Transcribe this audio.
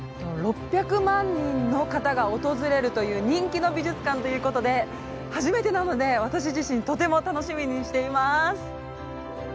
６００万人の方が訪れるという人気の美術館ということで初めてなので私自身とても楽しみにしています。